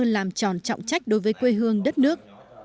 làm tròn trọng trách đối với quê hương đất nước